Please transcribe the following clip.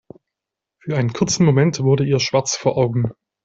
Für einen kurzen Moment wurde ihr schwarz vor Augen.